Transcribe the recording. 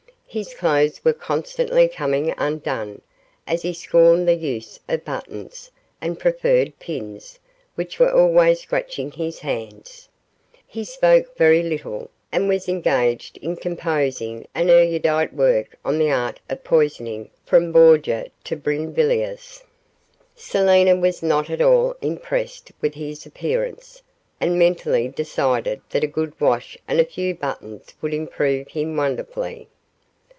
His clothes were constantly coming undone, as he scorned the use of buttons, and preferred pins, which were always scratching his hands. He spoke very little, and was engaged in composing an erudite work on 'The Art of Poisoning, from Borgia to Brinvilliers'. Selina was not at all impressed with his appearance, and mentally decided that a good wash and a few buttons would improve him wonderfully.